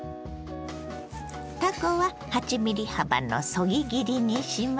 たこは８ｍｍ幅のそぎ切りにします。